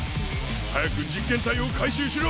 早く実験体を回収しろ。